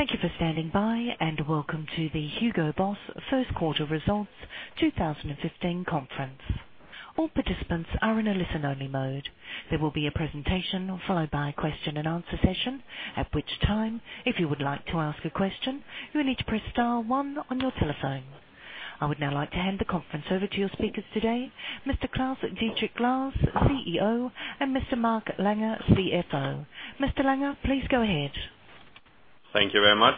Thank you for standing by, and welcome to the Hugo Boss first quarter results 2015 conference. All participants are in a listen-only mode. There will be a presentation followed by a question and answer session, at which time, if you would like to ask a question, you will need to press star one on your telephone. I would now like to hand the conference over to your speakers today, Mr. Claus-Dietrich Lahrs, CEO, and Mr. Mark Langer, CFO. Mr. Langer, please go ahead. Thank you very much.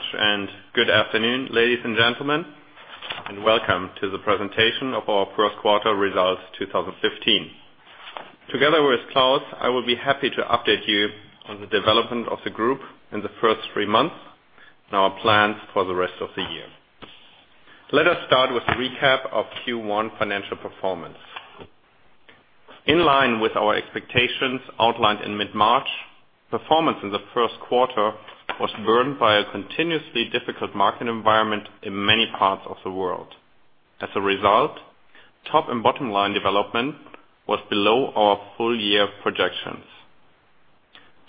Good afternoon, ladies and gentlemen, and welcome to the presentation of our first quarter results 2015. Together with Claus, I will be happy to update you on the development of the group in the first three months and our plans for the rest of the year. Let us start with a recap of Q1 financial performance. In line with our expectations outlined in mid-March, performance in the first quarter was burdened by a continuously difficult market environment in many parts of the world. As a result, top and bottom-line development was below our full-year projections.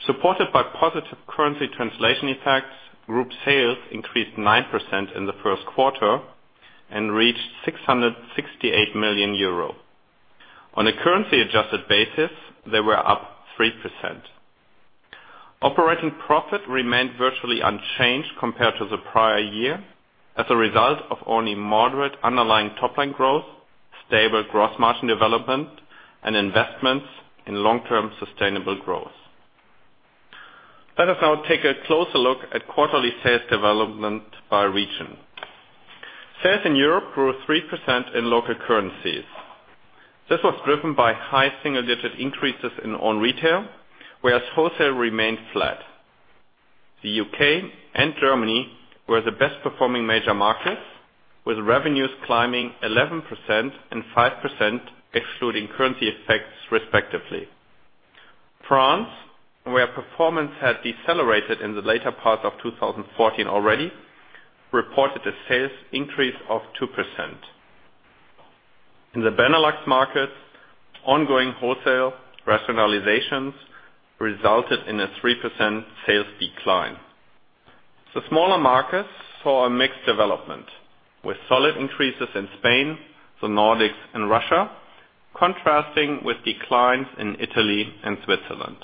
Supported by positive currency translation effects, group sales increased 9% in the first quarter and reached 668 million euro. On a currency-adjusted basis, they were up 3%. Operating profit remained virtually unchanged compared to the prior year as a result of only moderate underlying top-line growth, stable gross margin development, and investments in long-term sustainable growth. Let us now take a closer look at quarterly sales development by region. Sales in Europe grew 3% in local currencies. This was driven by high single-digit increases in own retail, whereas wholesale remained flat. The U.K. and Germany were the best-performing major markets, with revenues climbing 11% and 5% excluding currency effects respectively. France, where performance had decelerated in the later part of 2014 already, reported a sales increase of 2%. In the Benelux markets, ongoing wholesale rationalizations resulted in a 3% sales decline. The smaller markets saw a mixed development, with solid increases in Spain, the Nordics, and Russia contrasting with declines in Italy and Switzerland.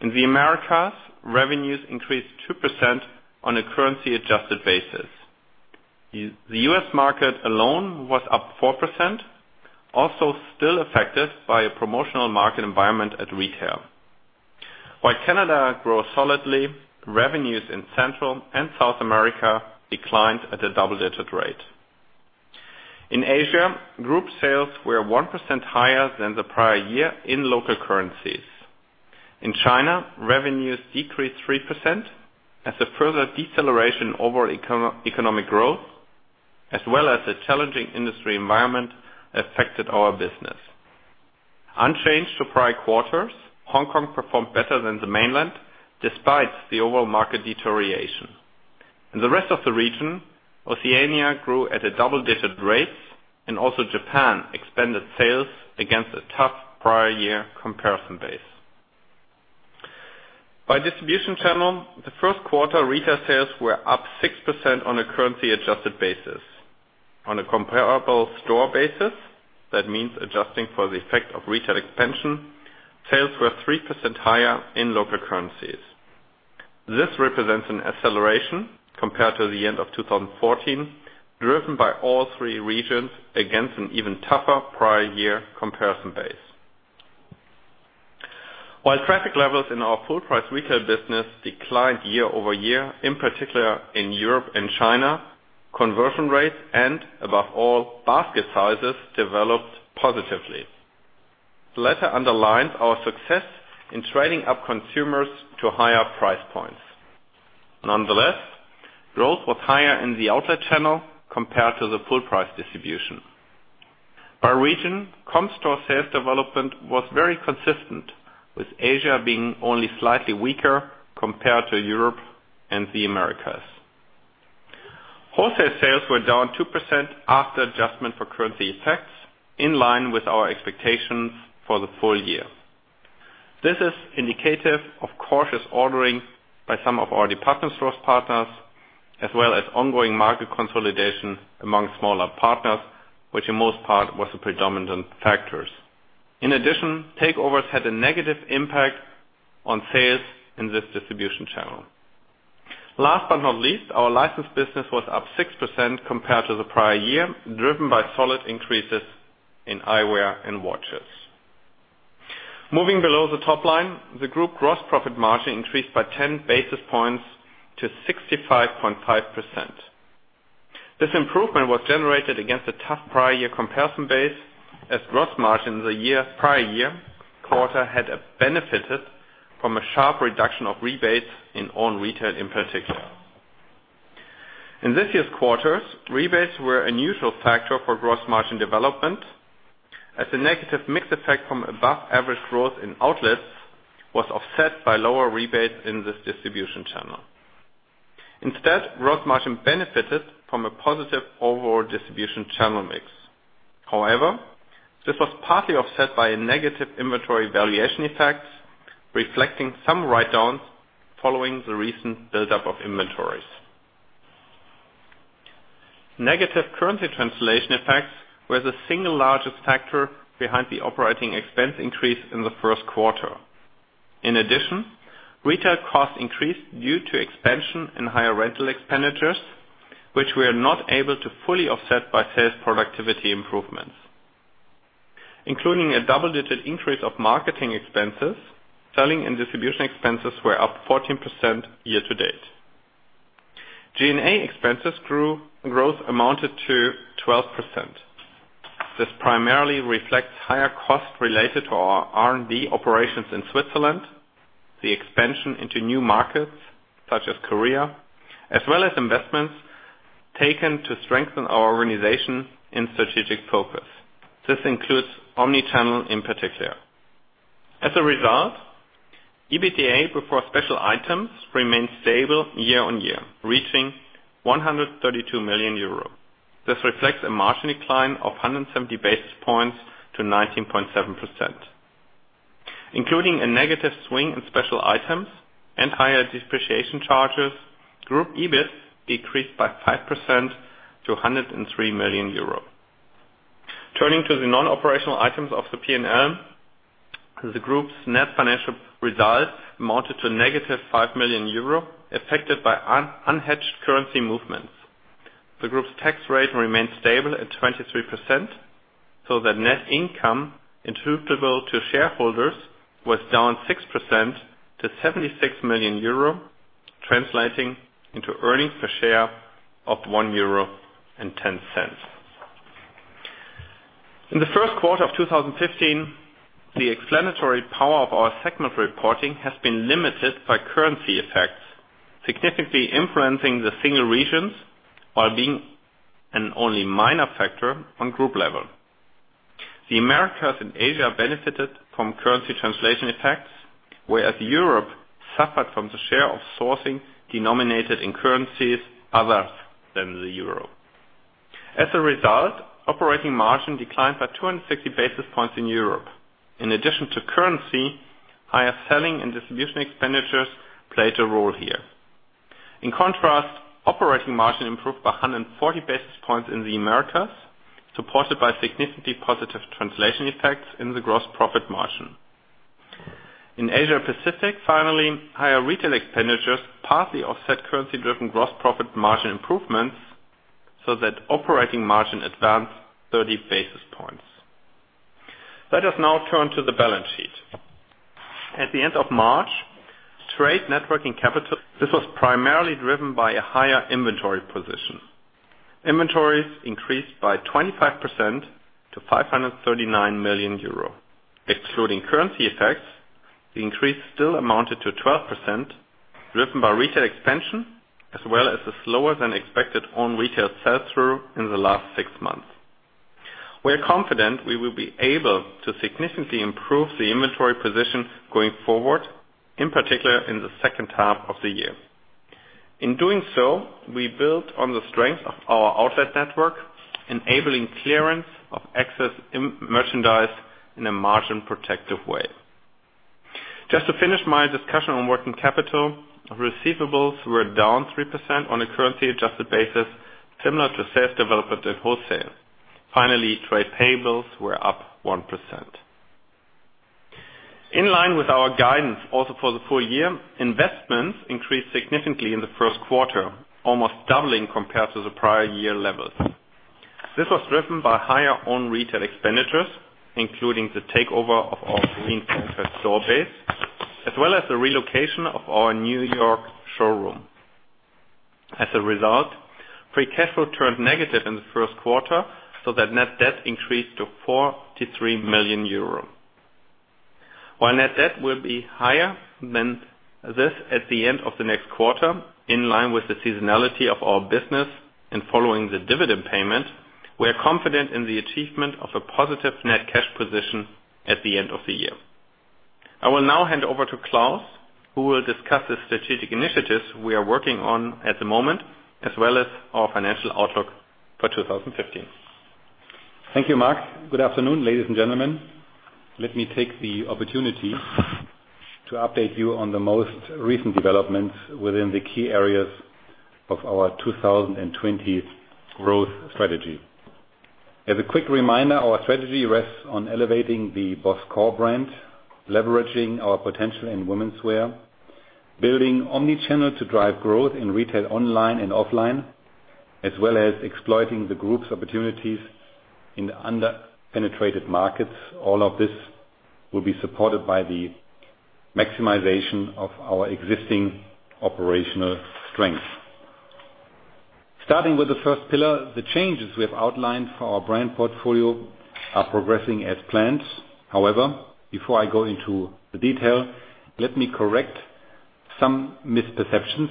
In the Americas, revenues increased 2% on a currency-adjusted basis. The U.S. market alone was up 4%, also still affected by a promotional market environment at retail. While Canada grew solidly, revenues in Central and South America declined at a double-digit rate. In Asia, group sales were 1% higher than the prior year in local currencies. In China, revenues decreased 3% as a further deceleration over economic growth, as well as a challenging industry environment affected our business. Unchanged to prior quarters, Hong Kong performed better than the mainland despite the overall market deterioration. In the rest of the region, Oceania grew at a double-digit rate, and also Japan expanded sales against a tough prior-year comparison base. By distribution channel, the first quarter retail sales were up 6% on a currency-adjusted basis. On a comparable store basis, that means adjusting for the effect of retail expansion, sales were 3% higher in local currencies. This represents an acceleration compared to the end of 2014, driven by all three regions against an even tougher prior-year comparison base. While traffic levels in our full-price retail business declined year-over-year, in particular in Europe and China, conversion rates and above all, basket sizes developed positively. The latter underlines our success in trading up consumers to higher price points. Nonetheless, growth was higher in the outlet channel compared to the full-price distribution. By region, comp store sales development was very consistent, with Asia being only slightly weaker compared to Europe and the Americas. Wholesale sales were down 2% after adjustment for currency effects, in line with our expectations for the full year. This is indicative of cautious ordering by some of our department store partners, as well as ongoing market consolidation among smaller partners, which in most part was the predominant factors. In addition, takeovers had a negative impact on sales in this distribution channel. Last but not least, our license business was up 6% compared to the prior year, driven by solid increases in eyewear and watches. Moving below the top line, the group gross profit margin increased by 10 basis points to 65.5%. This improvement was generated against a tough prior-year comparison base as gross margin in the prior year quarter had benefited from a sharp reduction of rebates in own retail in particular. In this year's quarters, rebates were a neutral factor for gross margin development as a negative mix effect from above-average growth in outlets was offset by lower rebates in this distribution channel. Instead, gross margin benefited from a positive overall distribution channel mix. However, this was partly offset by a negative inventory valuation effect, reflecting some write-downs following the recent build-up of inventories. Negative currency translation effects were the single largest factor behind the operating expense increase in the first quarter. In addition, retail costs increased due to expansion and higher rental expenditures, which we are not able to fully offset by sales productivity improvements. Including a double-digit increase of marketing expenses, selling and distribution expenses were up 14% year to date. G&A expenses growth amounted to 12%. This primarily reflects higher costs related to our R&D operations in Switzerland, the expansion into new markets such as Korea, as well as investments taken to strengthen our organization and strategic focus. This includes omni-channel in particular. As a result, EBITDA before special items remained stable year on year, reaching 132 million euro. This reflects a margin decline of 170 basis points to 19.7%. Including a negative swing in special items and higher depreciation charges, group EBIT decreased by 5% to 103 million euro. Turning to the non-operational items of the P&L, the group's net financial results amounted to negative 5 million euro, affected by unhedged currency movements. The group's tax rate remained stable at 23%, so that net income attributable to shareholders was down 6% to 76 million euro, translating into earnings per share of 1.10 euro. In the first quarter of 2015, the explanatory power of our segment reporting has been limited by currency effects, significantly influencing the single regions while being an only minor factor on group level. The Americas and Asia benefited from currency translation effects, whereas Europe suffered from the share of sourcing denominated in currencies other than the euro. As a result, operating margin declined by 260 basis points in Europe. In addition to currency, higher selling and distribution expenditures played a role here. In contrast, operating margin improved by 140 basis points in the Americas, supported by significantly positive translation effects in the gross profit margin. In Asia Pacific, finally, higher retail expenditures partly offset currency-driven gross profit margin improvements, so that operating margin advanced 30 basis points. Let us now turn to the balance sheet. This was primarily driven by a higher inventory position. Inventories increased by 25% to 539 million euro. Excluding currency effects, the increase still amounted to 12%, driven by retail expansion as well as the slower than expected own retail sell-through in the last six months. We are confident we will be able to significantly improve the inventory position going forward, in particular in the second half of the year. In doing so, we built on the strength of our outlet network, enabling clearance of excess merchandise in a margin protective way. Just to finish my discussion on working capital, receivables were down 3% on a currency-adjusted basis, similar to sales development in wholesale. Finally, trade payables were up 1%. In line with our guidance also for the full year, investments increased significantly in the first quarter, almost doubling compared to the prior year levels. This was driven by higher own retail expenditures, including the takeover of our Greenpoint store base, as well as the relocation of our N.Y. showroom. As a result, free cash flow turned negative in the first quarter, so that net debt increased to 43 million euros. While net debt will be higher than this at the end of the next quarter, in line with the seasonality of our business and following the dividend payment, we are confident in the achievement of a positive net cash position at the end of the year. I will now hand over to Claus, who will discuss the strategic initiatives we are working on at the moment, as well as our financial outlook for 2015. Thank you, Mark. Good afternoon, ladies and gentlemen. Let me take the opportunity to update you on the most recent developments within the key areas of our 2020 growth strategy. As a quick reminder, our strategy rests on elevating the BOSS core brand, leveraging our potential in womenswear, building omni-channel to drive growth in retail online and offline, as well as exploiting the Group's opportunities in the under-penetrated markets. All of this will be supported by the maximization of our existing operational strength. Starting with the first pillar, the changes we have outlined for our brand portfolio are progressing as planned. However, before I go into the detail, let me correct some misperceptions.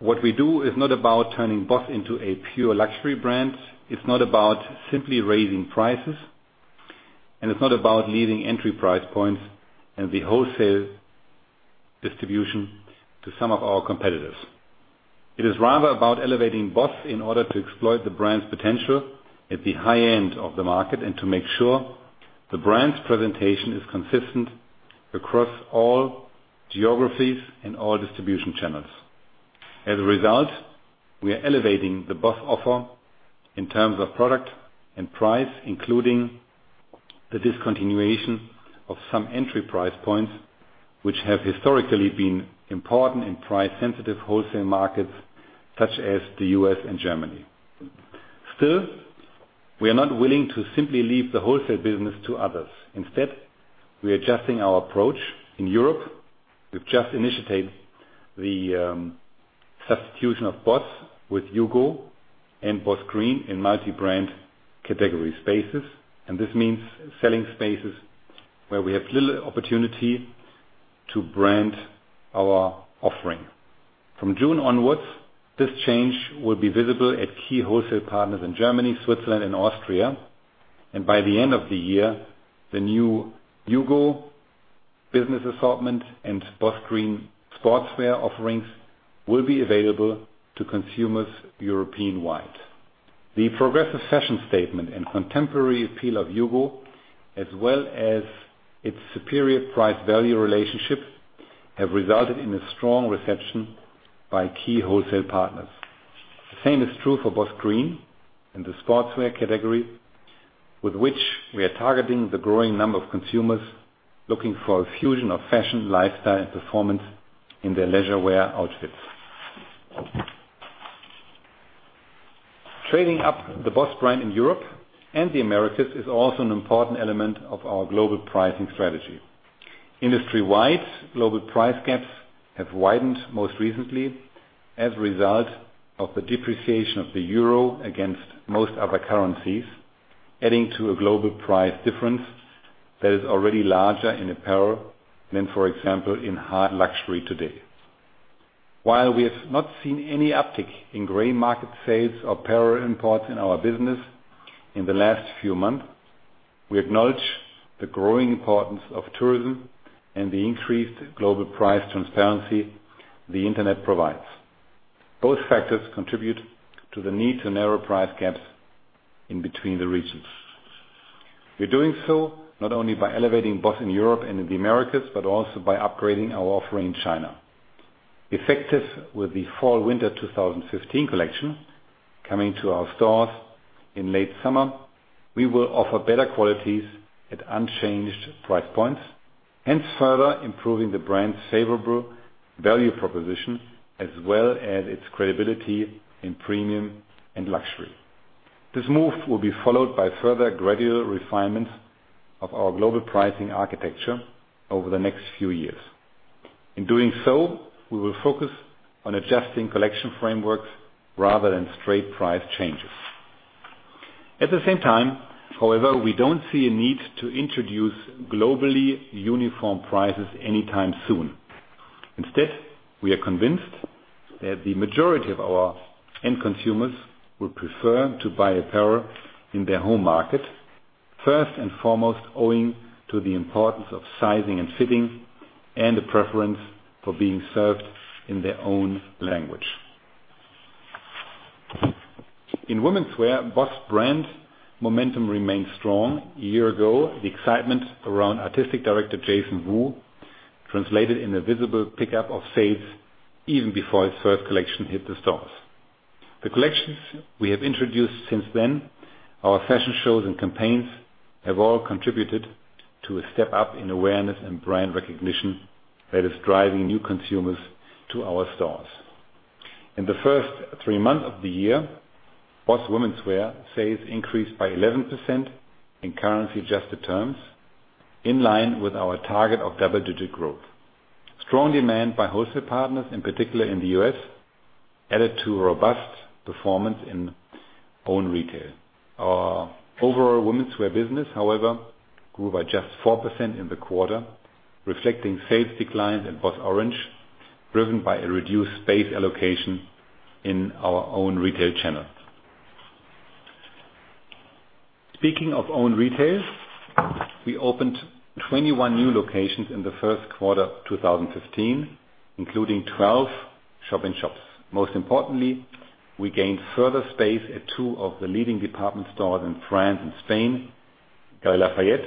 What we do is not about turning BOSS into a pure luxury brand. It's not about simply raising prices. It's not about leaving entry price points and the wholesale distribution to some of our competitors. It is rather about elevating BOSS in order to exploit the brand's potential at the high end of the market, and to make sure the brand's presentation is consistent across all geographies and all distribution channels. As a result, we are elevating the BOSS offer in terms of product and price, including the discontinuation of some entry price points, which have historically been important in price-sensitive wholesale markets, such as the U.S. and Germany. Still, we are not willing to simply leave the wholesale business to others. Instead, we are adjusting our approach. In Europe, we've just initiated the substitution of BOSS with HUGO and BOSS Green in multi-brand category spaces. This means selling spaces where we have little opportunity to brand our offering. From June onwards, this change will be visible at key wholesale partners in Germany, Switzerland, and Austria. By the end of the year, the new HUGO business assortment and BOSS Green sportswear offerings will be available to consumers European-wide. The progressive fashion statement and contemporary appeal of HUGO, as well as its superior price-value relationship, have resulted in a strong reception by key wholesale partners. The same is true for BOSS Green in the sportswear category, with which we are targeting the growing number of consumers looking for a fusion of fashion, lifestyle, and performance in their leisure wear outfits. Trading up the BOSS brand in Europe and the Americas is also an important element of our global pricing strategy. Industry-wide, global price gaps have widened most recently as a result of the depreciation of the euro against most other currencies, adding to a global price difference that is already larger in apparel than, for example, in high luxury today. While we have not seen any uptick in gray market sales or apparel imports in our business in the last few months, we acknowledge the growing importance of tourism and the increased global price transparency the internet provides. Both factors contribute to the need to narrow price gaps in between the regions. We are doing so not only by elevating BOSS in Europe and in the Americas, but also by upgrading our offering in China. Effective with the fall-winter 2015 collection, coming to our stores in late summer, we will offer better qualities at unchanged price points, hence further improving the brand's favorable value proposition as well as its credibility in premium and luxury. This move will be followed by further gradual refinements of our global pricing architecture over the next few years. In doing so, we will focus on adjusting collection frameworks rather than straight price changes. At the same time, however, we don't see a need to introduce globally uniform prices anytime soon. Instead, we are convinced that the majority of our end consumers would prefer to buy apparel in their home market. First and foremost, owing to the importance of sizing and fitting, and a preference for being served in their own language. In womenswear, BOSS brand momentum remains strong. A year ago, the excitement around artistic director Jason Wu translated in a visible pickup of sales even before his first collection hit the stores. The collections we have introduced since then, our fashion shows and campaigns, have all contributed to a step up in awareness and brand recognition that is driving new consumers to our stores. In the first three months of the year, BOSS womenswear sales increased by 11% in currency-adjusted terms, in line with our target of double-digit growth. Strong demand by wholesale partners, in particular in the U.S., added to robust performance in own retail. Our overall womenswear business, however, grew by just 4% in the quarter, reflecting sales declines in BOSS Orange, driven by a reduced space allocation in our own retail channel. Speaking of own retails, we opened 21 new locations in the first quarter 2015, including 12 shop-in-shops. Most importantly, we gained further space at two of the leading department stores in France and Spain, Galeries Lafayette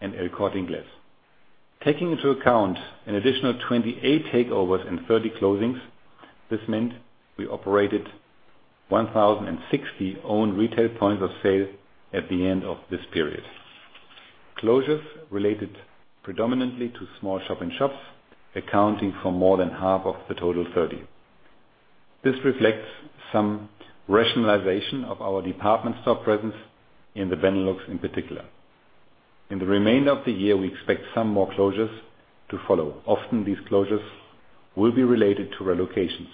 and El Corte Inglés. Taking into account an additional 28 takeovers and 30 closings, this meant we operated 1,060 own retail points of sale at the end of this period. Closures related predominantly to small shop-in-shops, accounting for more than half of the total 30. This reflects some rationalization of our department store presence in the Benelux in particular. In the remainder of the year, we expect some more closures to follow. Often, these closures will be related to relocations.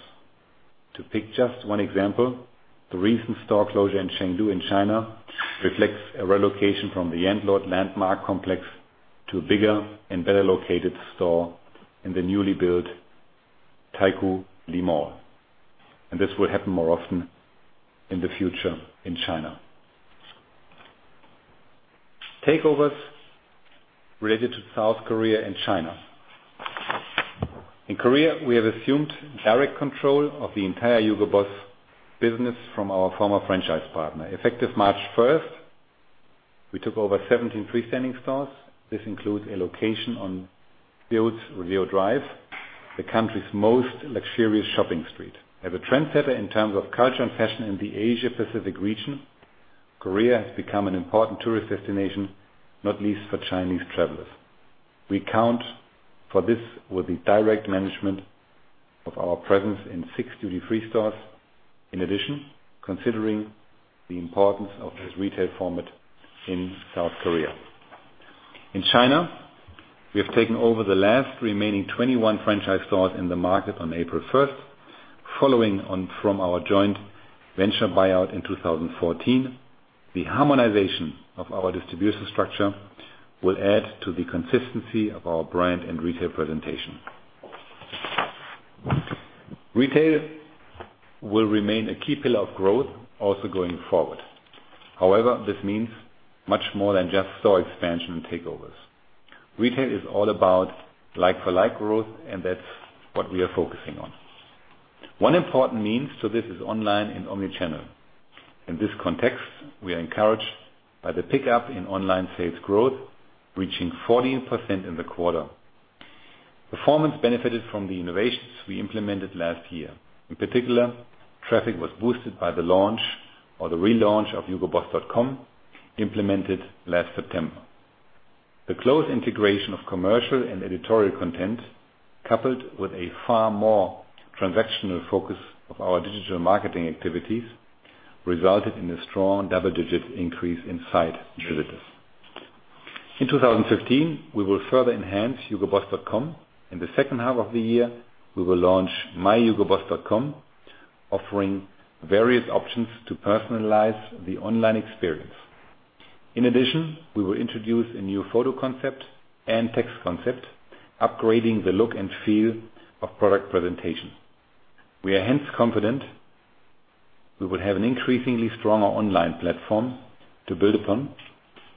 To pick just one example, the recent store closure in Chengdu in China reflects a relocation from the landlord landmark complex to a bigger and better-located store in the newly built Taikoo Li. This will happen more often in the future in China. Takeovers related to South Korea and China. In Korea, we have assumed direct control of the entire Hugo Boss business from our former franchise partner. Effective March 1st, we took over 17 freestanding stores. This includes a location on duty-free drive, the country's most luxurious shopping street. As a trendsetter in terms of culture and fashion in the Asia Pacific region, Korea has become an important tourist destination, not least for Chinese travelers. We count for this with the direct management of our presence in six duty-free stores. In addition, considering the importance of this retail format in South Korea. In China, we have taken over the last remaining 21 franchise stores in the market on April 1st, following on from our joint venture buyout in 2014. The harmonization of our distribution structure will add to the consistency of our brand and retail presentation. Retail will remain a key pillar of growth also going forward. This means much more than just store expansion and takeovers. Retail is all about like for like growth, and that's what we are focusing on. One important means to this is online and omni-channel. In this context, we are encouraged by the pickup in online sales growth, reaching 14% in the quarter. Performance benefited from the innovations we implemented last year. In particular, traffic was boosted by the launch or the relaunch of hugoboss.com, implemented last September. The close integration of commercial and editorial content, coupled with a far more transactional focus of our digital marketing activities, resulted in a strong double-digit increase in site visitors. In 2015, we will further enhance hugoboss.com. In the second half of the year, we will launch myhugoboss.com, offering various options to personalize the online experience. In addition, we will introduce a new photo concept and text concept, upgrading the look and feel of product presentation. We are hence confident we will have an increasingly stronger online platform to build upon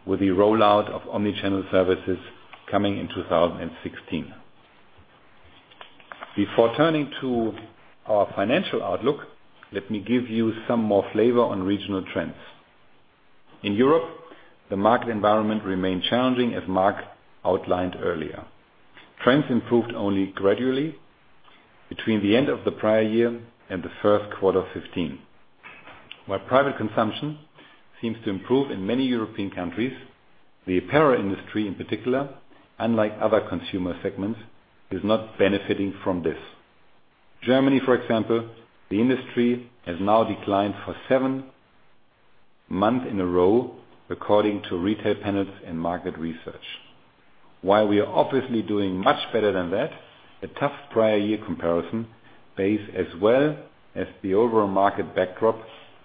with the rollout of omni-channel services coming in 2016. Before turning to our financial outlook, let me give you some more flavor on regional trends. In Europe, the market environment remained challenging, as Mark outlined earlier. Trends improved only gradually between the end of the prior year and the first quarter 2015. While private consumption seems to improve in many European countries, the apparel industry, in particular, unlike other consumer segments, is not benefiting from this. Germany, for example, the industry has now declined for seven months in a row, according to retail panels and market research. While we are obviously doing much better than that, a tough prior year comparison base, as well as the overall market backdrop,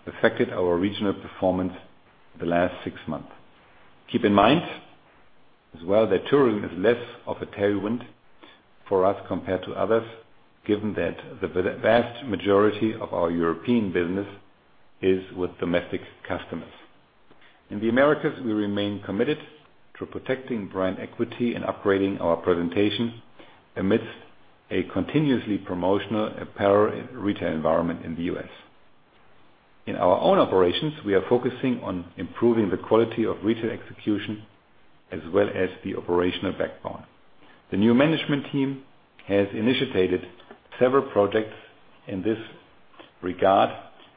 affected our regional performance the last six months. Keep in mind as well that tourism is less of a tailwind for us compared to others, given that the vast majority of our European business is with domestic customers. In the Americas, we remain committed to protecting brand equity and upgrading our presentation amidst a continuously promotional apparel and retail environment in the U.S. In our own operations, we are focusing on improving the quality of retail execution as well as the operational backbone. The new management team has initiated several projects in this regard,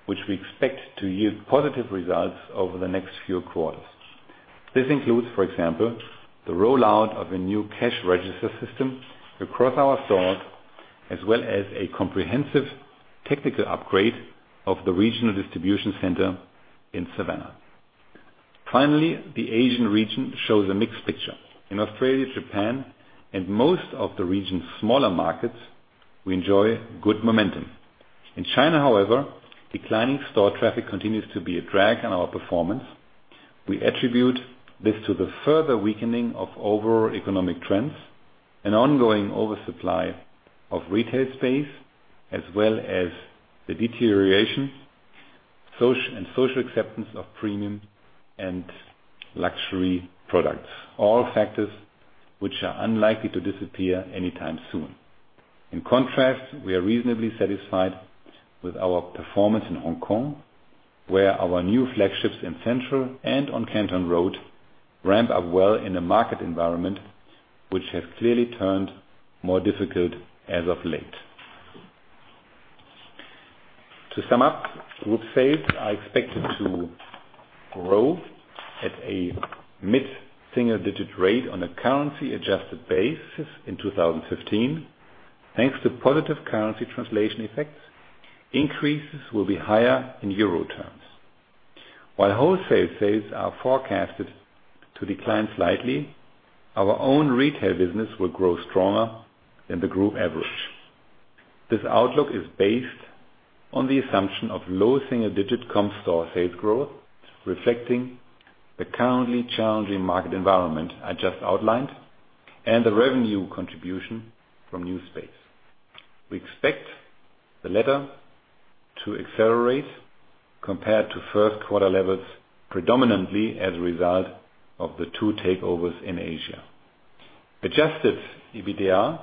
which we expect to yield positive results over the next few quarters. This includes, for example, the rollout of a new cash register system across our stores, as well as a comprehensive technical upgrade of the regional distribution center in Savannah. Finally, the Asian region shows a mixed picture. In Australia, Japan, and most of the region's smaller markets, we enjoy good momentum. In China, however, declining store traffic continues to be a drag on our performance. We attribute this to the further weakening of overall economic trends and ongoing oversupply of retail space, as well as the deterioration and social acceptance of premium and luxury products. All factors which are unlikely to disappear anytime soon. In contrast, we are reasonably satisfied with our performance in Hong Kong, where our new flagships in Central and on Canton Road ramp up well in a market environment which has clearly turned more difficult as of late. To sum up, group sales are expected to grow at a mid-single-digit rate on a currency-adjusted basis in 2015. Thanks to positive currency translation effects, increases will be higher in EUR terms. While wholesale sales are forecasted to decline slightly, our own retail business will grow stronger than the group average. This outlook is based on the assumption of low single-digit comp store sales growth, reflecting the currently challenging market environment I just outlined and the revenue contribution from new space. We expect the latter to accelerate compared to first quarter levels, predominantly as a result of the two takeovers in Asia. Adjusted EBITDA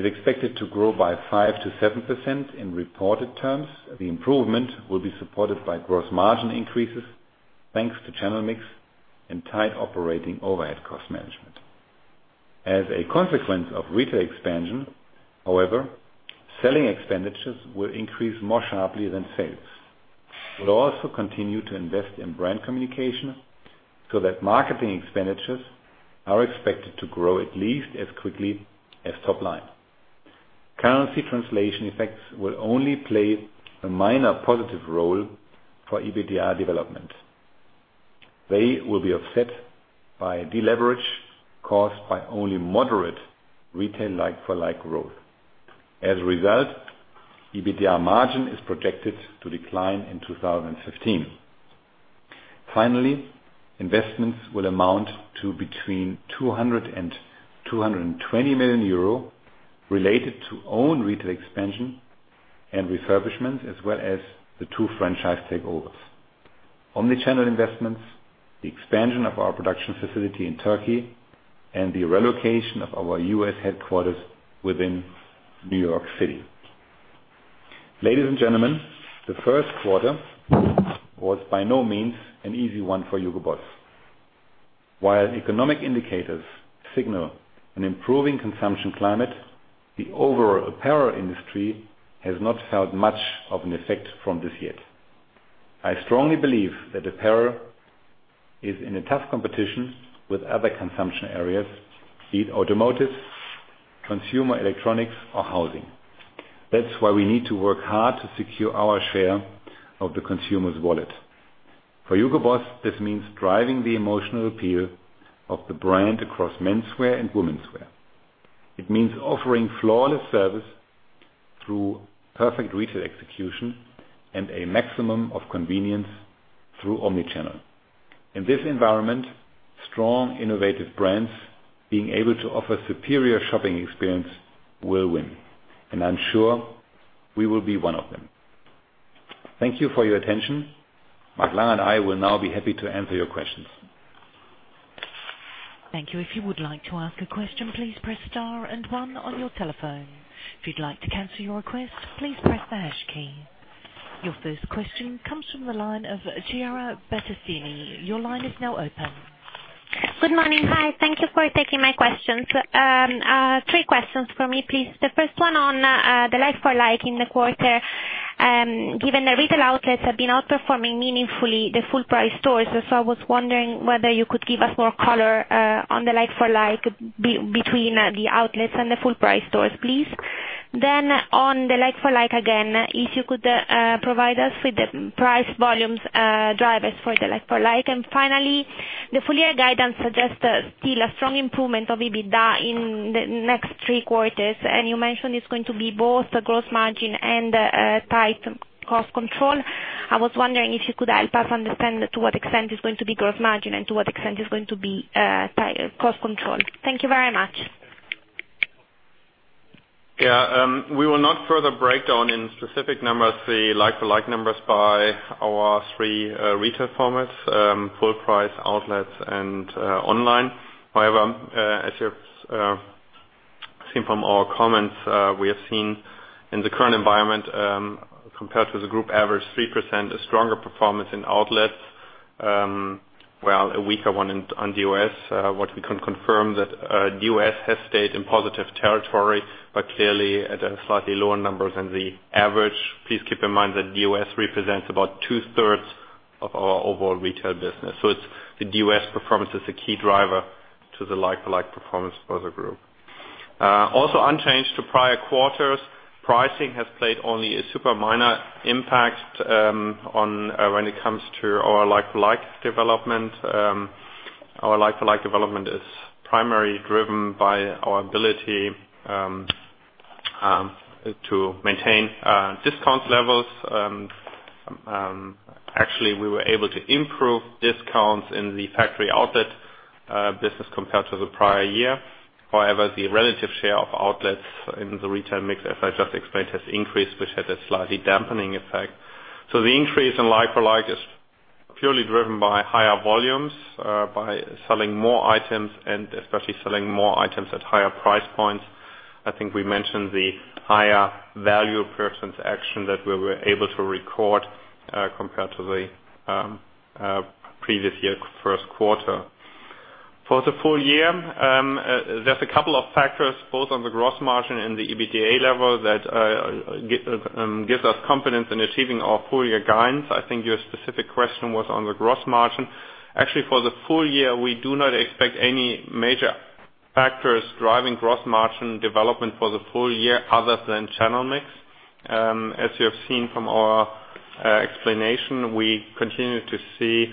is expected to grow by 5%-7% in reported terms. The improvement will be supported by gross margin increases, thanks to channel mix and tight operating overhead cost management. As a consequence of retail expansion, however, selling expenditures will increase more sharply than sales. We'll also continue to invest in brand communication so that marketing expenditures are expected to grow at least as quickly as top line. Currency translation effects will only play a minor positive role for EBITDA development. They will be offset by deleverage caused by only moderate retail like-for-like growth. As a result, EBITDA margin is projected to decline in 2015. Finally, investments will amount to between 200 million euro and 220 million euro related to own retail expansion and refurbishments, as well as the two franchise takeovers. Omnichannel investments, the expansion of our production facility in Turkey, and the relocation of our U.S. headquarters within New York City. Ladies and gentlemen, the 1st quarter was by no means an easy one for Hugo Boss. While economic indicators signal an improving consumption climate, the overall apparel industry has not felt much of an effect from this yet. I strongly believe that apparel is in a tough competition with other consumption areas, be it automotive, consumer electronics, or housing. That's why we need to work hard to secure our share of the consumer's wallet. For Hugo Boss, this means driving the emotional appeal of the brand across menswear and womenswear. It means offering flawless service through perfect retail execution and a maximum of convenience through omnichannel. In this environment, strong, innovative brands being able to offer superior shopping experience will win, and I'm sure we will be one of them. Thank you for your attention. Mark Langer and I will now be happy to answer your questions. Thank you. If you would like to ask a question, please press star and one on your telephone. If you'd like to cancel your request, please press the pound key. Your first question comes from the line of Chiara Battistini. Your line is now open. Good morning. Hi. Thank you for taking my questions. Three questions from me, please. The first one on the like-for-like in the quarter, given the retail outlets have been outperforming meaningfully the full price stores. I was wondering whether you could give us more color on the like-for-like between the outlets and the full price stores, please. On the like-for-like again, if you could provide us with the price volumes drivers for the like-for-like. Finally, the full-year guidance suggests still a strong improvement of EBITDA in the next three quarters. You mentioned it's going to be both a gross margin and a tight cost control. I was wondering if you could help us understand to what extent it's going to be gross margin and to what extent it's going to be tight cost control. Thank you very much. Yeah. We will not further break down in specific numbers the like-for-like numbers by our three retail formats, full price, outlets, and online. As you've seen from our comments, we have seen in the current environment, compared to the group average 3%, a stronger performance in outlets, well, a weaker one on DOS. What we can confirm that DOS has stayed in positive territory, but clearly at a slightly lower number than the average. Please keep in mind that DOS represents about two-thirds of our overall retail business. The DOS performance is a key driver to the like-for-like performance for the group. Also unchanged to prior quarters, pricing has played only a super minor impact when it comes to our like-for-like development. Our like-for-like development is primarily driven by our ability to maintain discount levels. Actually, we were able to improve discounts in the factory outlet business compared to the prior year. The relative share of outlets in the retail mix, as I just explained, has increased, which had a slightly dampening effect. The increase in like-for-like is purely driven by higher volumes, by selling more items and especially selling more items at higher price points. I think we mentioned the higher value per transaction that we were able to record, compared to the previous year first quarter. For the full year, there's a couple of factors both on the gross margin and the EBITDA level that gives us confidence in achieving our full-year guidance. I think your specific question was on the gross margin. Actually, for the full year, we do not expect any major factors driving gross margin development for the full year other than channel mix. As you have seen from our explanation, we continue to see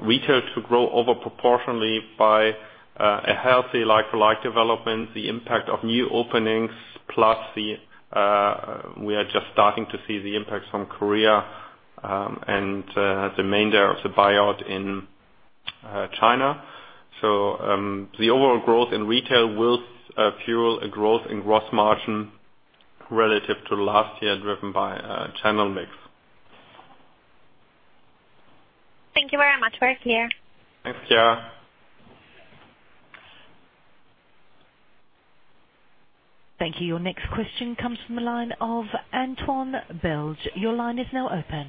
Retail to grow over proportionally by a healthy like-for-like development, the impact of new openings, plus we are just starting to see the impacts from Korea and the remainder of the buyout in China. The overall growth in retail will fuel a growth in gross margin relative to last year, driven by channel mix. Thank you very much. Very clear. Thanks, Chiara. Thank you. Your next question comes from the line of Antoine Belge. Your line is now open.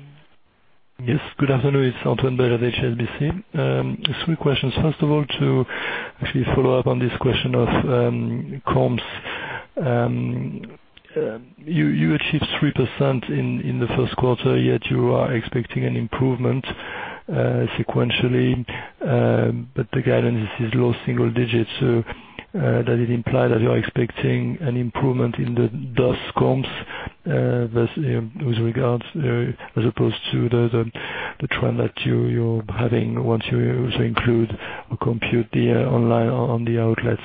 Yes. Good afternoon. It's Antoine Belge of HSBC. Three questions. First of all, to actually follow up on this question of comps. You achieved 3% in the first quarter, yet you are expecting an improvement sequentially, but the guidance is low single digits. Does it imply that you're expecting an improvement in the DOS comps with regards, as opposed to the trend that you're having once you also include or compute the online on the outlets?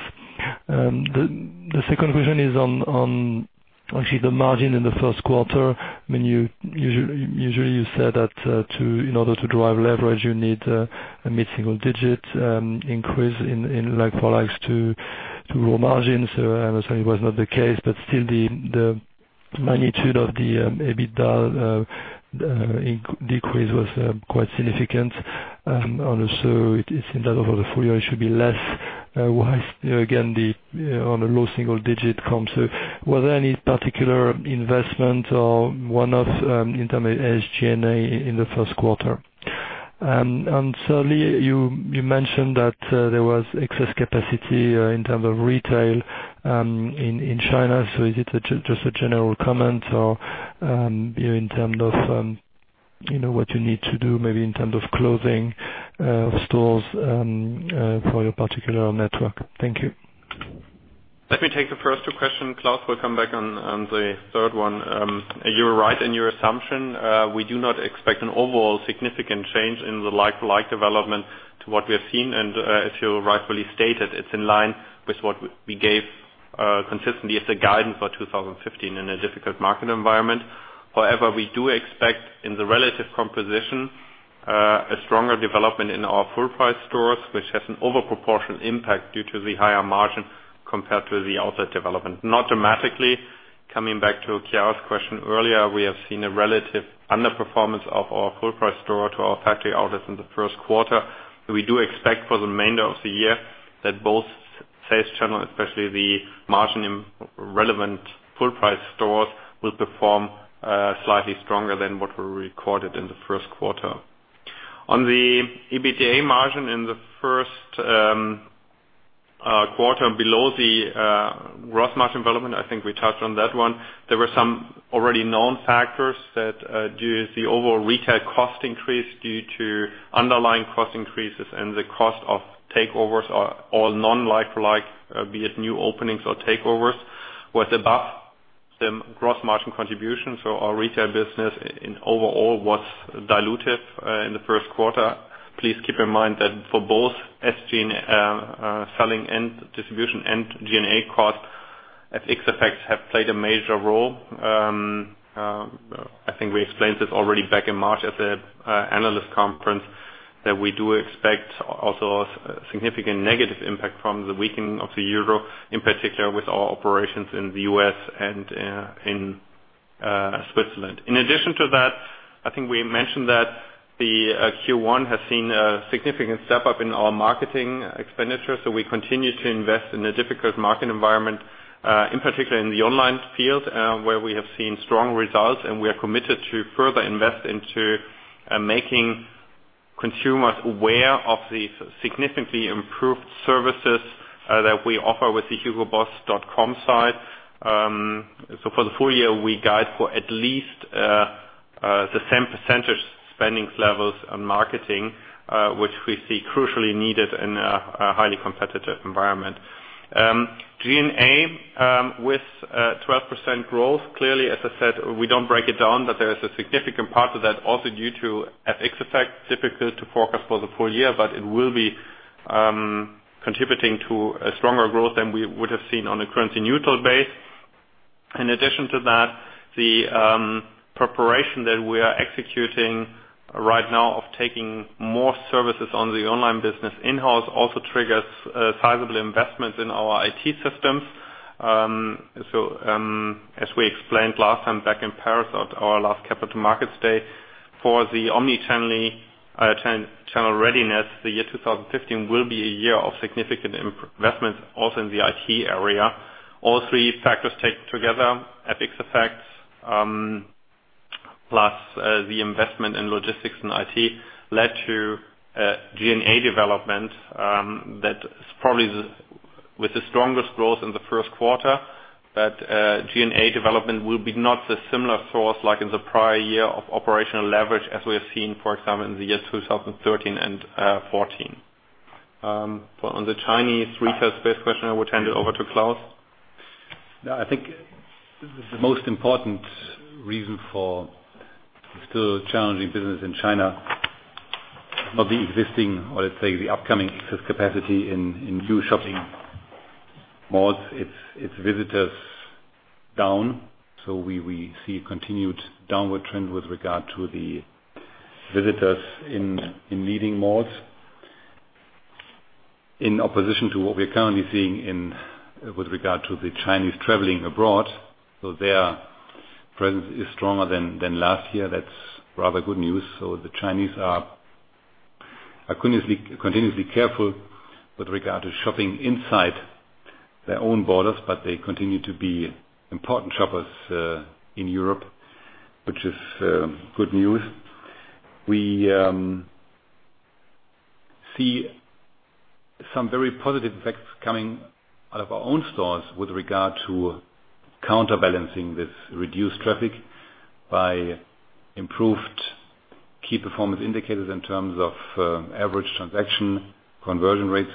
The second question is on actually the margin in the first quarter. Usually you said that in order to drive leverage, you need a mid-single digit increase in like for likes to grow margins. I understand it was not the case, but still the magnitude of the EBITDA decrease was quite significant. Also it seems that over the full year it should be less. Why, again, on a low single digit comp, was there any particular investment or one-off in terms of SG&A in the first quarter? Thirdly, you mentioned that there was excess capacity in terms of retail in China. Is it just a general comment or in terms of what you need to do maybe in terms of closing stores for your particular network? Thank you. Let me take the first two questions. Claus will come back on the third one. You're right in your assumption. We do not expect an overall significant change in the like-for-like development to what we have seen. As you rightfully stated, it's in line with what we gave consistently as a guidance for 2015 in a difficult market environment. However, we do expect in the relative composition a stronger development in our full price stores, which has an overproportionate impact due to the higher margin compared to the outlet development. Not dramatically. Coming back to Chiara's question earlier, we have seen a relative underperformance of our full price store to our factory outlets in the first quarter. We do expect for the remainder of the year that both sales channel, especially the margin in relevant full price stores, will perform slightly stronger than what we recorded in the first quarter. On the EBITDA margin in the first quarter below the gross margin development, I think we touched on that one. There were some already known factors that due to the overall retail cost increase, due to underlying cost increases and the cost of takeovers are all non-like for like, be it new openings or takeovers, was above the gross margin contribution. Our retail business in overall was dilutive in the first quarter. Please keep in mind that for both SG&A selling and distribution and G&A cost, FX effects have played a major role. I think we explained this already back in March at the analyst conference, that we do expect also a significant negative impact from the weakening of the euro, in particular with our operations in the U.S. and in Switzerland. In addition to that, I think we mentioned that the Q1 has seen a significant step up in our marketing expenditure. We continue to invest in a difficult market environment, in particular in the online field, where we have seen strong results and we are committed to further invest into making consumers aware of the significantly improved services that we offer with the hugoboss.com site. For the full year, we guide for at least the same % spendings levels on marketing, which we see crucially needed in a highly competitive environment. G&A with 12% growth. As I said, we don't break it down, but there is a significant part of that also due to FX effect. Difficult to forecast for the full year, but it will be contributing to a stronger growth than we would have seen on a currency neutral base. In addition to that, the preparation that we are executing right now of taking more services on the online business in-house also triggers sizable investments in our IT systems. As we explained last time back in Paris at our last capital markets day, for the omni-channel readiness, the year 2015 will be a year of significant investments also in the IT area. All three factors take together FX effects, plus the investment in logistics and IT led to G&A development that is probably with the strongest growth in the first quarter. That G&A development will be not a similar source like in the prior year of operational leverage as we have seen, for example, in the year 2013 and 2014. On the Chinese retail space question, I would hand it over to Claus. I think the most important reason for still challenging business in China, not the existing, or let's say the upcoming excess capacity in new shopping malls. It's visitors down. We see a continued downward trend with regard to the visitors in leading malls. In opposition to what we are currently seeing with regard to the Chinese traveling abroad. Their presence is stronger than last year. That's rather good news. The Chinese are continuously careful with regard to shopping inside their own borders, but they continue to be important shoppers in Europe, which is good news. We see some very positive effects coming out of our own stores with regard to counterbalancing this reduced traffic by improved key performance indicators in terms of average transaction conversion rates.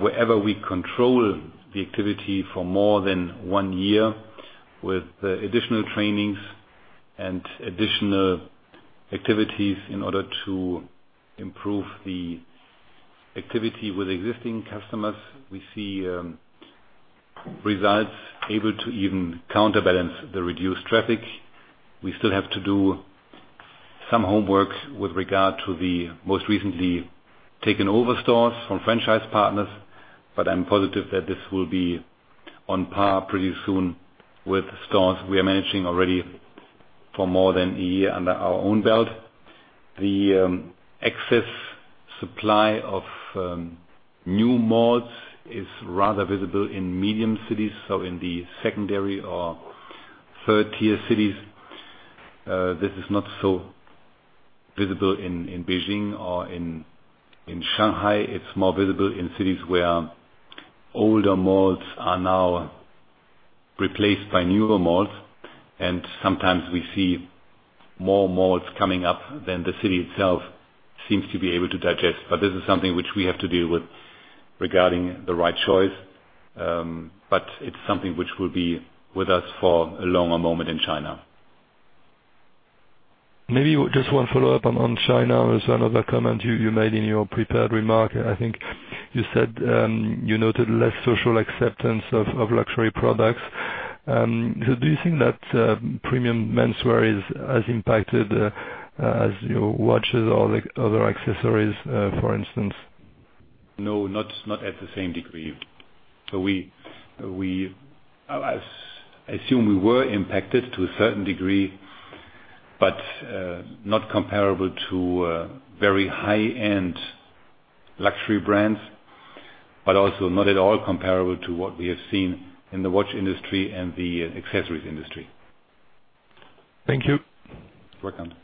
Wherever we control the activity for more than one year with additional trainings and additional activities in order to improve the activity with existing customers, we see results able to even counterbalance the reduced traffic. We still have to do some homework with regard to the most recently taken over stores from franchise partners. I'm positive that this will be on par pretty soon with stores we are managing already for more than one year under our own belt. The excess supply of new malls is rather visible in medium cities. In the secondary or third-tier cities. This is not so visible in Beijing or in Shanghai. It's more visible in cities where older malls are now replaced by newer malls, and sometimes we see more malls coming up than the city itself seems to be able to digest. This is something which we have to deal with regarding the right choice. But it's something which will be with us for a longer moment in China. Maybe just one follow-up on China. There's another comment you made in your prepared remark. I think you said, you noted less social acceptance of luxury products. Do you think that premium menswear is as impacted as watches or other accessories, for instance? No, not at the same degree. I assume we were impacted to a certain degree. Not comparable to very high-end luxury brands, but also not at all comparable to what we have seen in the watch industry and the accessories industry. Thank you. You're welcome.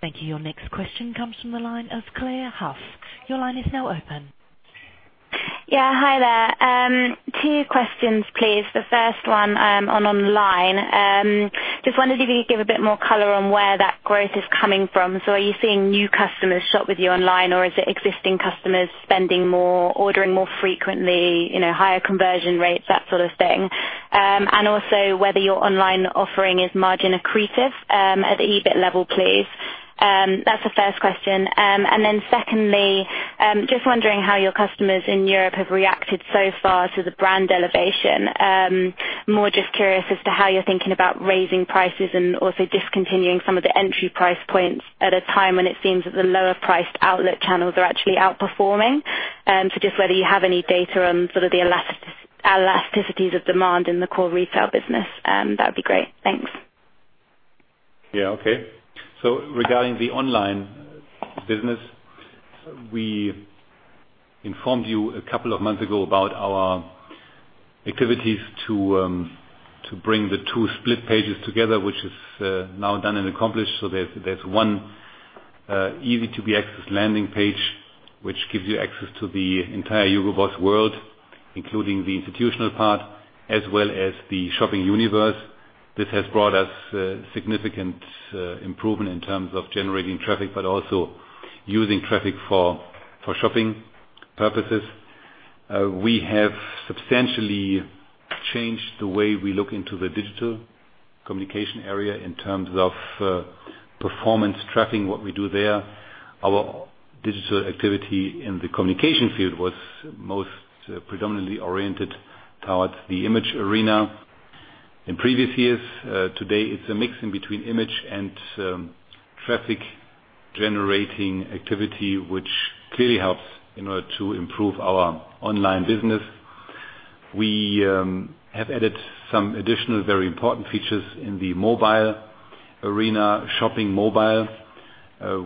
Thank you. Your next question comes from the line of Claire Huff. Your line is now open. Yeah, hi there. Two questions, please. The first one on online. Just wondered if you could give a bit more color on where that growth is coming from. So are you seeing new customers shop with you online, or is it existing customers spending more, ordering more frequently, higher conversion rates, that sort of thing? And also whether your online offering is margin accretive, at the EBIT level, please. That's the first question. Then secondly, just wondering how your customers in Europe have reacted so far to the brand elevation. More just curious as to how you're thinking about raising prices and also discontinuing some of the entry price points at a time when it seems that the lower-priced outlet channels are actually outperforming. So just whether you have any data on sort of the elasticities of demand in the core retail business. That'd be great. Thanks. Yeah. Okay. Regarding the online business, we informed you a couple of months ago about our activities to bring the two split pages together, which is now done and accomplished. There's one easy-to-be-accessed landing page, which gives you access to the entire Hugo Boss world, including the institutional part as well as the shopping universe. This has brought us significant improvement in terms of generating traffic, but also using traffic for shopping purposes. We have substantially changed the way we look into the digital communication area in terms of performance tracking what we do there. Our digital activity in the communication field was most predominantly oriented towards the image arena in previous years. Today, it's a mix in between image and traffic-generating activity, which clearly helps in order to improve our online business. We have added some additional, very important features in the mobile arena, shopping mobile.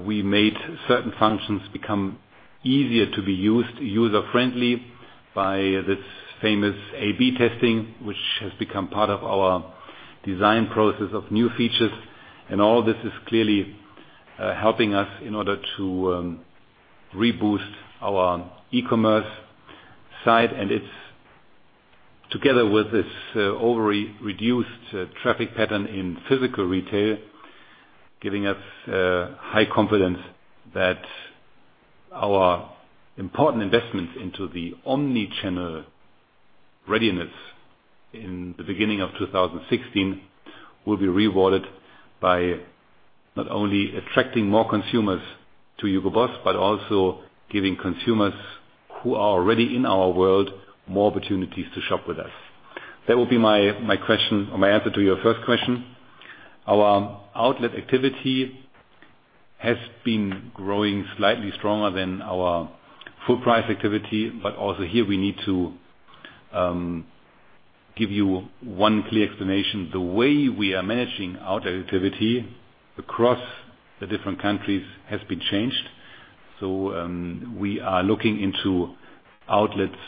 We made certain functions become easier to be used, user-friendly by this famous A/B testing, which has become part of our design process of new features. All this is clearly helping us in order to reboost our e-commerce side. It's together with this overly reduced traffic pattern in physical retail Giving us high confidence that our important investments into the omni-channel readiness in the beginning of 2016 will be rewarded by not only attracting more consumers to Hugo Boss, but also giving consumers who are already in our world more opportunities to shop with us. That will be my answer to your first question. Our outlet activity has been growing slightly stronger than our full price activity, but also here we need to give you one clear explanation. The way we are managing our activity across the different countries has been changed. We are looking into outlets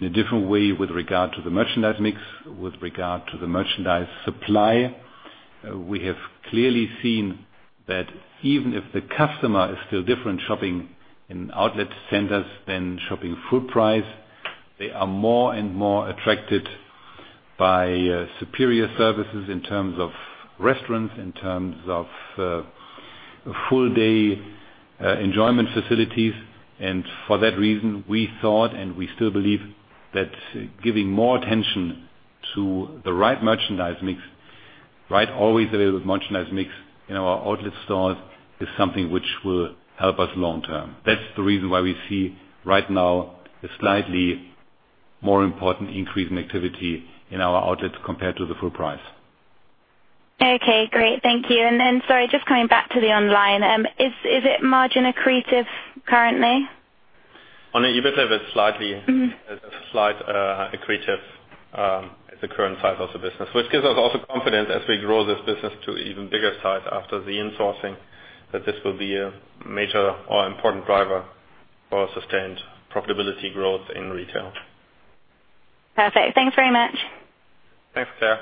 in a different way with regard to the merchandise mix, with regard to the merchandise supply. We have clearly seen that even if the customer is still different shopping in outlet centers than shopping full price, they are more and more attracted by superior services in terms of restaurants, in terms of full day enjoyment facilities. For that reason, we thought, and we still believe, that giving more attention to the right merchandise mix, right available merchandise mix in our outlet stores is something which will help us long-term. That's the reason why we see right now a slightly more important increase in activity in our outlets compared to the full price. Okay, great. Thank you. Then, sorry, just coming back to the online. Is it margin accretive currently? On an EBITDA, it's a slight accretive at the current size of the business, which gives us also confidence as we grow this business to even bigger size after the insourcing, that this will be a major or important driver for sustained profitability growth in retail. Perfect. Thanks very much. Thanks, Claire.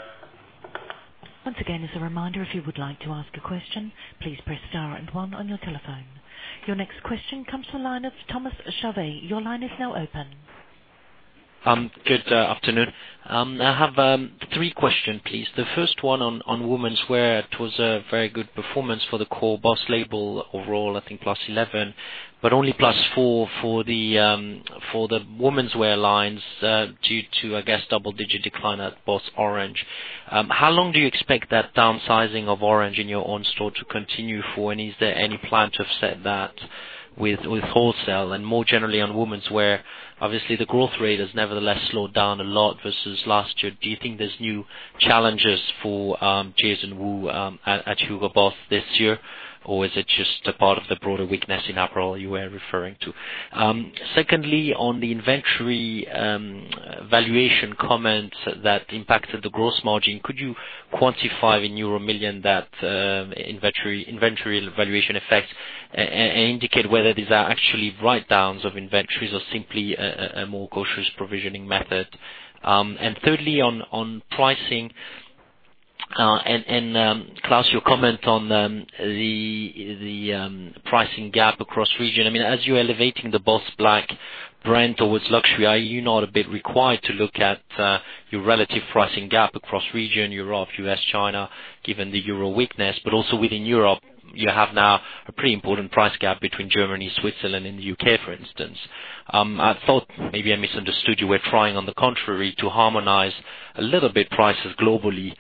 Once again, as a reminder, if you would like to ask a question, please press star and one on your telephone. Your next question comes from the line of Thomas Chauvet. Your line is now open. Good afternoon. I have three question, please. The first one on womenswear. It was a very good performance for the core BOSS label overall, I think, +11%, but only +4% for the womenswear lines, due to, I guess, double-digit decline at BOSS Orange. How long do you expect that downsizing of Orange in your own store to continue for? Is there any plan to offset that with wholesale? More generally on womenswear, obviously the growth rate has nevertheless slowed down a lot versus last year. Do you think there's new challenges for Jason Wu at Hugo Boss this year? Is it just a part of the broader weakness in apparel you were referring to? Secondly, on the inventory valuation comment that impacted the gross margin, could you quantify in euro million that inventory valuation effect and indicate whether these are actually write-downs of inventories or simply a more cautious provisioning method? Thirdly, on pricing, Claus, your comment on the pricing gap across region. As you're elevating the BOSS Black brand towards luxury, are you not a bit required to look at your relative pricing gap across region, Europe, U.S., China, given the euro weakness. Also within Europe, you have now a pretty important price gap between Germany, Switzerland, and the U.K., for instance. I thought, maybe I misunderstood you, were trying on the contrary, to harmonize a little bit prices globally,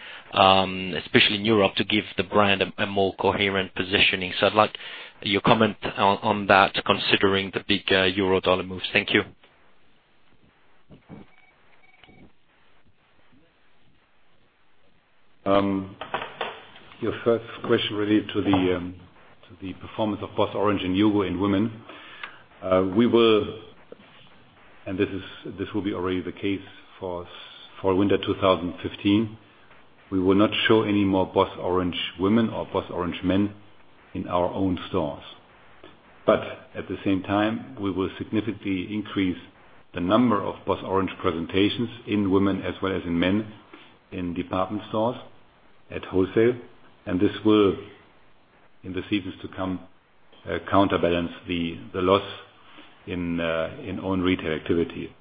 especially in Europe, to give the brand a more coherent positioning. I'd like your comment on that, considering the big EUR-USD moves. Thank you. Your first question related to the performance of BOSS Orange and HUGO in women. We will, this will be already the case for winter 2015, we will not show any more BOSS Orange women or BOSS Orange men in our own stores. At the same time, we will significantly increase the number of BOSS Orange presentations in women as well as in men in department stores at wholesale, this will, in the seasons to come, counterbalance the loss in own retail activity.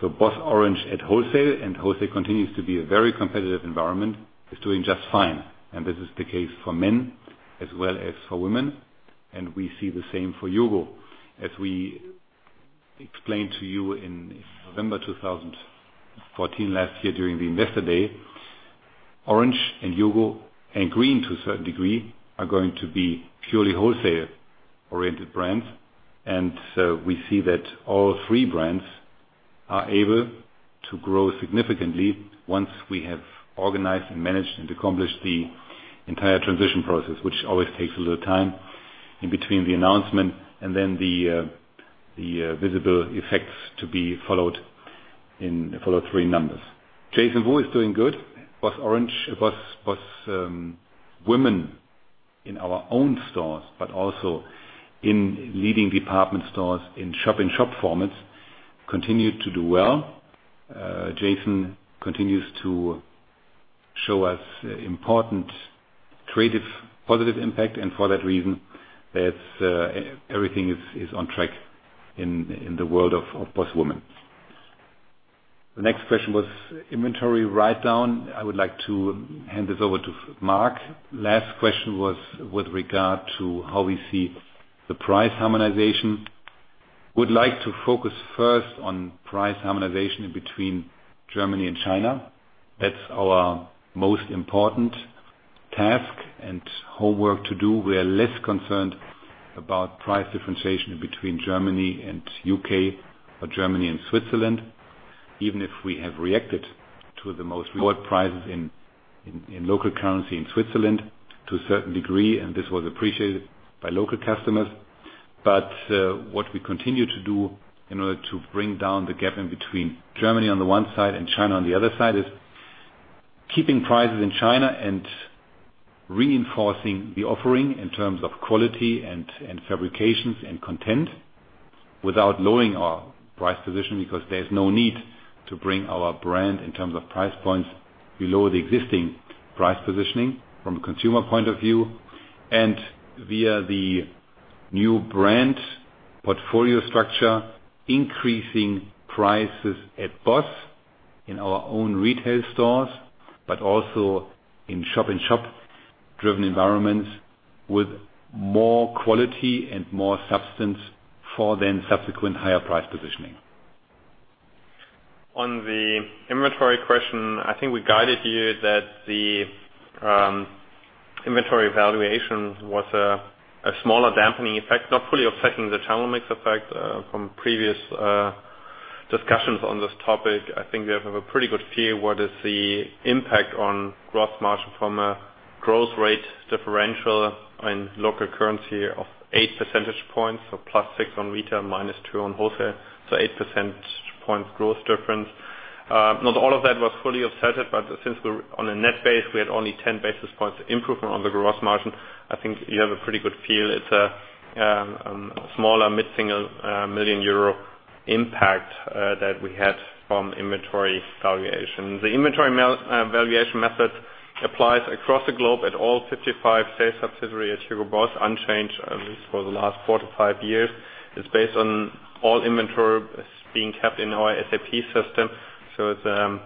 BOSS Orange at wholesale continues to be a very competitive environment, is doing just fine, this is the case for men as well as for women, and we see the same for HUGO. As we explained to you in November 2014 last year during the Investor Day, Orange and HUGO and Green, to a certain degree, are going to be purely wholesale-oriented brands. We see that all three brands are able to grow significantly once we have organized and managed and accomplished the entire transition process, which always takes a little time in between the announcement and then the visible effects to be followed in the following three numbers. Jason Wu is doing good. BOSS Women in our own stores, but also in leading department stores in shop-in-shop formats, continue to do well. Jason continues to show us important creative, positive impact, and for that reason, everything is on track in the world of BOSS Women. The next question was inventory write-down. I would like to hand this over to Mark. Last question was with regard to how we see the price harmonization. Would like to focus first on price harmonization between Germany and China. That's our most important task and homework to do. We are less concerned about price differentiation between Germany and U.K. or Germany and Switzerland, even if we have reacted to the most lowered prices in local currency in Switzerland to a certain degree, and this was appreciated by local customers. What we continue to do in order to bring down the gap in between Germany on the one side and China on the other side, is keeping prices in China and reinforcing the offering in terms of quality and fabrications and content without lowering our price position because there is no need to bring our brand in terms of price points below the existing price positioning from a consumer point of view. Via the new brand portfolio structure, increasing prices at BOSS in our own retail stores, but also in shop-in-shop driven environments with more quality and more substance for then subsequent higher price positioning. On the inventory question, I think we guided you that the inventory valuation was a smaller dampening effect, not fully offsetting the channel mix effect from previous discussions on this topic. I think we have a pretty good feel what is the impact on gross margin from a growth rate differential in local currency of eight percentage points, so plus six on retail, minus two on wholesale, so 8% points growth difference. Not all of that was fully offset, but since we're on a net base, we had only 10 basis points improvement on the gross margin. I think you have a pretty good feel. It's a smaller mid-single million EUR impact that we had from inventory valuation. The inventory valuation method applies across the globe at all 55 sales subsidiary at Hugo Boss, unchanged at least for the last four to five years. It's based on all inventory being kept in our SAP system. It's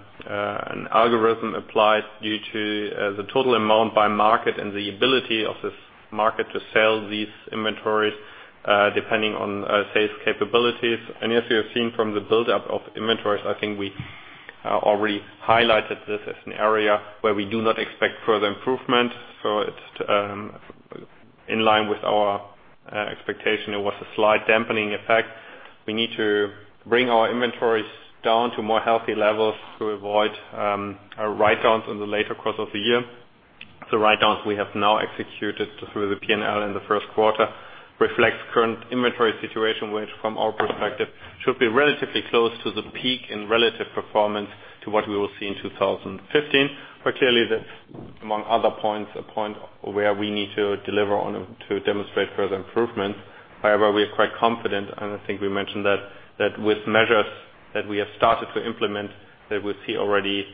an algorithm applied due to the total amount by market and the ability of this market to sell these inventories, depending on sales capabilities. As you have seen from the buildup of inventories, I think we already highlighted this as an area where we do not expect further improvement. It's in line with our expectation. It was a slight dampening effect. We need to bring our inventories down to more healthy levels to avoid write-downs in the later course of the year. The write-downs we have now executed through the P&L in the first quarter reflects current inventory situation, which from our perspective, should be relatively close to the peak in relative performance to what we will see in 2015. Clearly, that's, among other points, a point where we need to deliver on them to demonstrate further improvements. However, we are quite confident, and I think we mentioned that with measures that we have started to implement, that we see already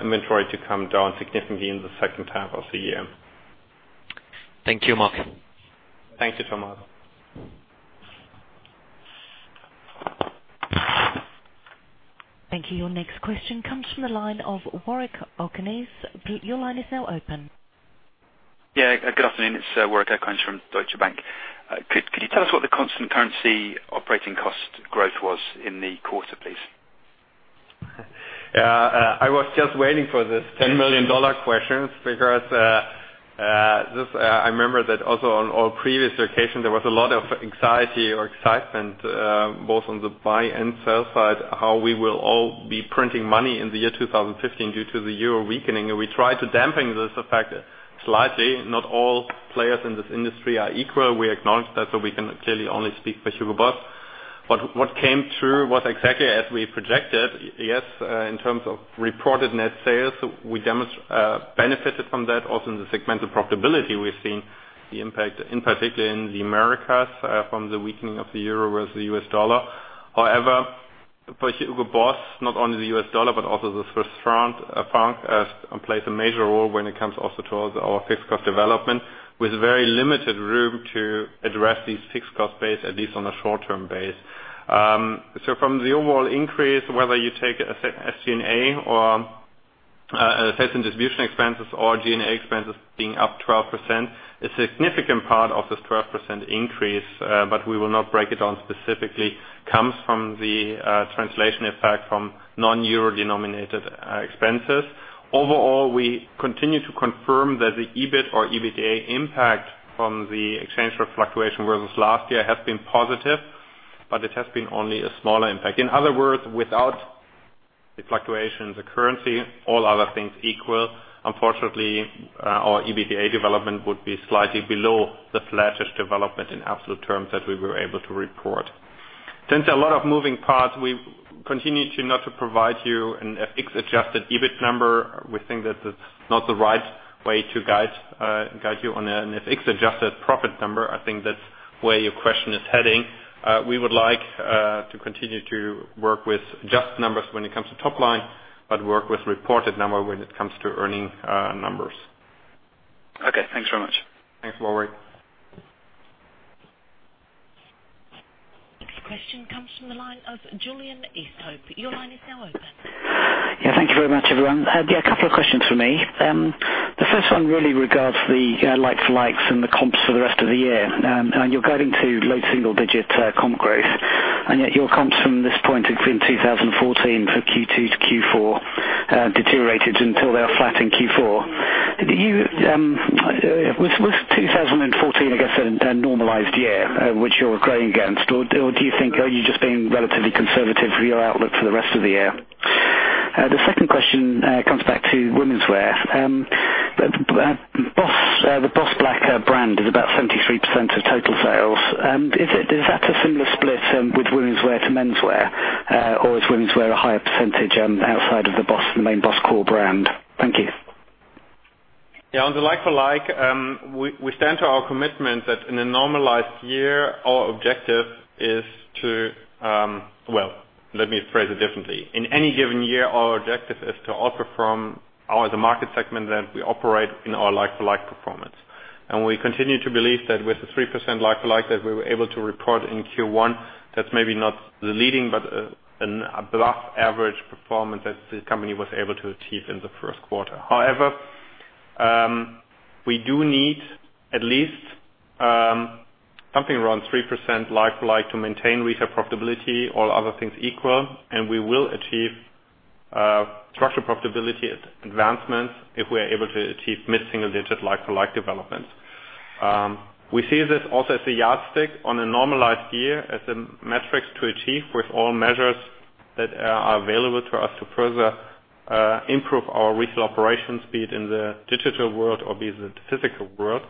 inventory to come down significantly in the second half of the year. Thank you, Mark. Thank you, Thomas. Thank you. Your next question comes from the line of Warwick Okines. Your line is now open. Yeah. Good afternoon. It's Warwick Okines from Deutsche Bank. Could you tell us what the constant currency operating cost growth was in the quarter, please? I was just waiting for this EUR 10 million question because I remember that also on all previous occasions, there was a lot of anxiety or excitement, both on the buy and sell side, how we will all be printing money in the year 2015 due to the euro weakening. We try to dampen this effect slightly. Not all players in this industry are equal. We acknowledge that, we can clearly only speak for Hugo Boss. What came true was exactly as we projected. Yes, in terms of reported net sales, we benefited from that. Also in the segmental profitability, we've seen the impact, in particular in the Americas, from the weakening of the euro versus the US dollar. However, for Hugo Boss, not only the US dollar, but also the Swiss franc plays a major role when it comes also towards our fixed cost development, with very limited room to address these fixed cost base, at least on a short-term base. From the overall increase, whether you take SG&A or sales and distribution expenses or G&A expenses being up 12%, a significant part of this 12% increase, we will not break it down specifically, comes from the translation effect from non-euro-denominated expenses. Overall, we continue to confirm that the EBIT or EBITDA impact from the exchange rate fluctuation versus last year has been positive, but it has been only a smaller impact. In other words, without the fluctuation of the currency, all other things equal, unfortunately, our EBITDA development would be slightly below the flattish development in absolute terms that we were able to report. Since a lot of moving parts, we continue not to provide you an FX-adjusted EBIT number. We think that it's not the right way to guide you on an FX-adjusted profit number. I think that's where your question is heading. We would like to continue to work with just numbers when it comes to top line, but work with reported number when it comes to earning numbers. Okay. Thanks very much. Thanks, Warwick. Next question comes from the line of Julian Easthope. Your line is now open. Yeah. Thank you very much, everyone. Yeah, a couple of questions from me. The first one really regards the like for likes and the comps for the rest of the year. You're guiding to low single-digit comp growth, and yet your comps from this point between 2014 for Q2 to Q4 deteriorated until they were flat in Q4. Was 2014, I guess, a normalized year, which you're growing against? Or do you think, are you just being relatively conservative for your outlook for the rest of the year? The second question comes back to womenswear. The BOSS Black brand is about 73% of total sales. Is that a similar split with womenswear to menswear? Or is womenswear a higher percentage outside of the main BOSS core brand? Thank you. Yeah. On the like for like, we stand to our commitment that in a normalized year, our objective is to Well, let me phrase it differently. In any given year, our objective is to outperform the market segment that we operate in our like-for-like performance. We continue to believe that with the 3% like for like that we were able to report in Q1, that is maybe not the leading, but above average performance that the company was able to achieve in the first quarter. However, we do need at least something around 3% like for like to maintain retail profitability, all other things equal. We will achieve structural profitability advancements if we are able to achieve mid-single-digit like for like development. We see this also as a yardstick on a normalized year as a metric to achieve with all measures that are available to us to further improve our retail operations, be it in the digital world or be it the physical world.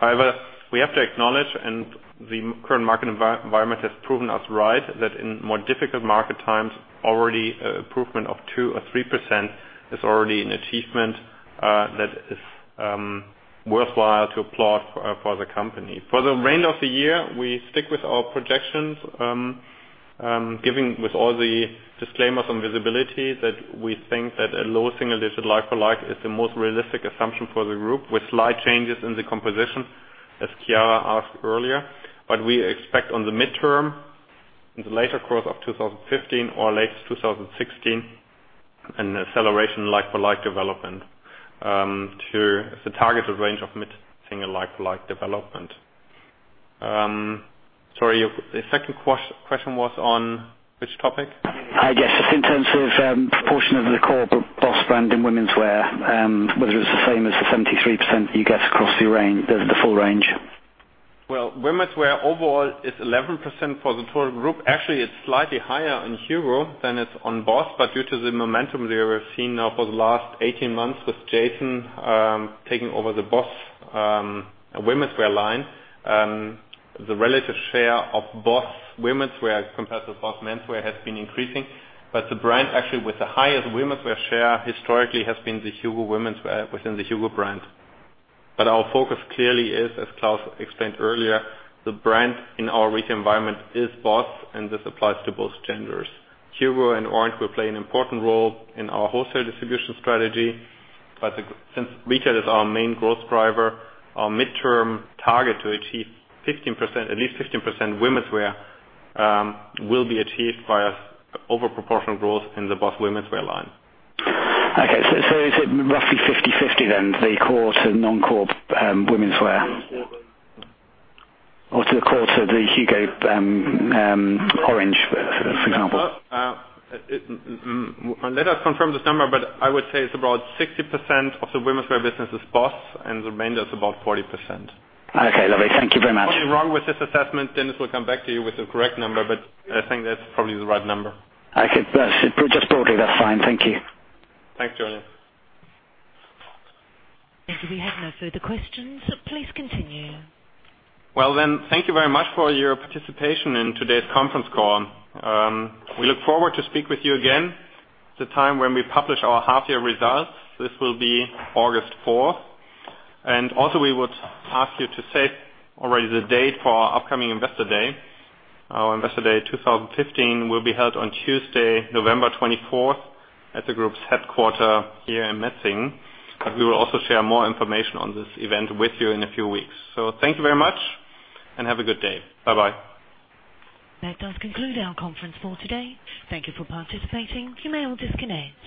However, we have to acknowledge, and the current market environment has proven us right, that in more difficult market times, an improvement of 2% or 3% is already an achievement that is worthwhile to applaud for the company. For the remainder of the year, we stick with our projections, giving with all the disclaimers on visibility that we think that a low single-digit like for like is the most realistic assumption for the group, with slight changes in the composition, as Chiara asked earlier. We expect on the midterm, in the later course of 2015 or latest 2016, an acceleration like for like development to the targeted range of mid-single like for like development. Sorry, the second question was on which topic? Yes, just in terms of proportion of the core BOSS brand in womenswear, whether it is the same as the 73% that you get across the full range. Womenswear overall is 11% for the total group. Actually, it is slightly higher in HUGO than it is on BOSS, due to the momentum there we have seen now for the last 18 months with Jason taking over the BOSS Womenswear line, the relative share of BOSS Womenswear compared to BOSS Menswear has been increasing. The brand actually with the highest Womenswear share historically has been the HUGO Womenswear within the HUGO brand. Our focus clearly is, as Claus explained earlier, the brand in our retail environment is BOSS, and this applies to both genders. HUGO and BOSS Orange will play an important role in our wholesale distribution strategy, since retail is our main growth driver, our midterm target to achieve at least 15% Womenswear will be achieved by over-proportional growth in the BOSS Womenswear line. Okay. Is it roughly 50/50 then, the core to non-core Womenswear? To the core to the HUGO BOSS Orange, for example? Let us confirm this number, I would say it is about 60% of the Womenswear business is BOSS, the remainder is about 40%. Okay, lovely. Thank you very much. If I'm totally wrong with this assessment, Dennis will come back to you with the correct number, but I think that's probably the right number. Okay. Just broadly, that's fine. Thank you. Thanks, Julian. We have no further questions. Please continue. Well, thank you very much for your participation in today's conference call. We look forward to speak with you again the time when we publish our half-year results. This will be August 4th. Also, we would ask you to save already the date for our upcoming Investor Day. Our Investor Day 2015 will be held on Tuesday, November 24th at the group's headquarter here in Metzingen. We will also share more information on this event with you in a few weeks. Thank you very much, and have a good day. Bye-bye. That does conclude our conference call today. Thank you for participating. You may all disconnect.